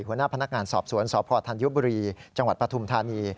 หัวหน้าพนักงานสอบสวนสพธัญบุรีจังหวัดปฐุมธานี